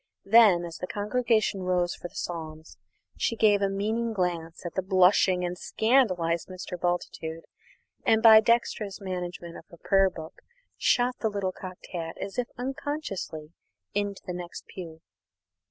Then, as the congregation rose for the Psalms, she gave a meaning glance at the blushing and scandalised Mr. Bultitude and by dexterous management of her prayer book shot the little cocked hat, as if unconsciously, into the next pew.